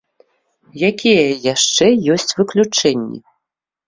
Якія яшчэ ёсць выключэнні?